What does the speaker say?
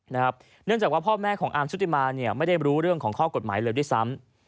เนื่องจากว่าพ่อแม่ของอาร์มชุติมาเนี่ยไม่ได้รู้เรื่องของข้อกฎหมายเลยด้วยซ้ำ